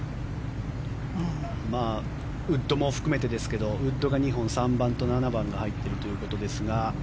ウッドも含めてですけどウッドが２本、３番と７番が入っているということですが。